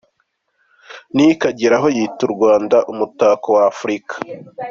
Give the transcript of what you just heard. Nick ageraho yita u Rwanda “umutako w’Afurika”.